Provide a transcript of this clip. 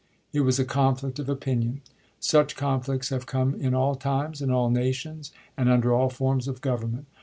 It was a conflict of opinion. Such con flicts have come in all times, in all nations, and under all forms of government.